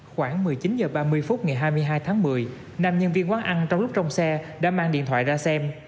khoảng một mươi chín h ba mươi phút ngày hai mươi hai tháng một mươi nam nhân viên quán ăn trong lúc trong xe đã mang điện thoại ra xem